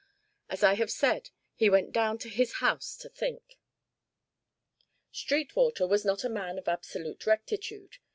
As I have said, he went down to his house to think. Sweetwater was not a man of absolute rectitude.